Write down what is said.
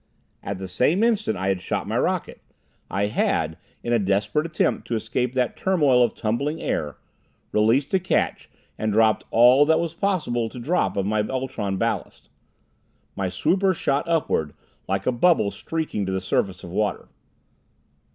At the same instant I had shot my rocket, I had, in a desperate attempt to escape that turmoil of tumbling air, released a catch and dropped all that it was possible to drop of my ultron ballast. My swooper shot upward, like a bubble streaking for the surface of water.